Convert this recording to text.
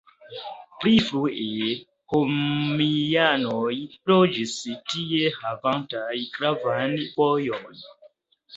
Pli frue romianoj loĝis tie havantaj gravan vojon.